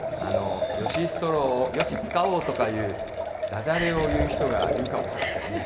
ヨシストローを、よし使おうとかいう、だじゃれを言う人がいるかもしれませんね。